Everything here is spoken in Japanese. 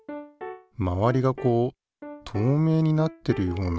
まわりがこう透明になってるような。